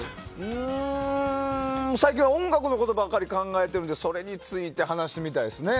うーん、最近音楽のことばかり考えているのでそれについて話してみたいですね。